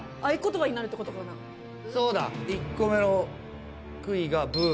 そうだ１個目の杭が「ブ」。